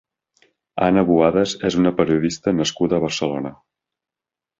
Ana Boadas és una periodista nascuda a Barcelona.